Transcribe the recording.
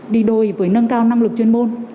đi đôi với nâng cao năng lực chuyên môn